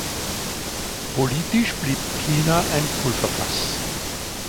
Politisch blieb China ein Pulverfass.